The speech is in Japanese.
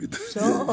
そう。